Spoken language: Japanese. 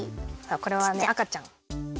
これはねあかちゃん。